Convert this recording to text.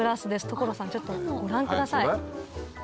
所さんちょっとご覧ください。